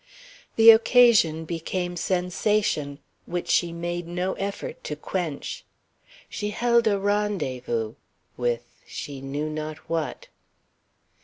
The occasion became sensation, which she made no effort to quench. She held a rendezvous with she knew not what.